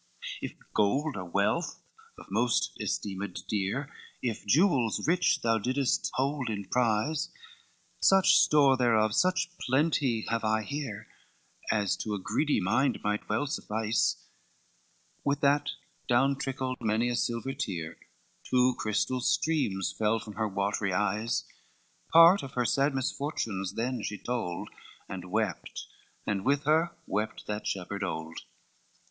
XVI "If gold or wealth, of most esteemed dear, If jewels rich thou diddest hold in prize, Such store thereof, such plenty have I here, As to a greedy mind might well suffice:" With that down trickled many a silver tear, Two crystal streams fell from her watery eyes; Part of her sad misfortunes then she told, And wept, and with her wept that shepherd old.